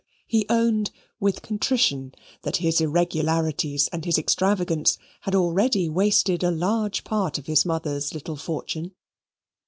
He owned with contrition that his irregularities and his extravagance had already wasted a large part of his mother's little fortune.